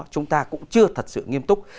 chúng ta cũng chưa thật sự nghiêm túc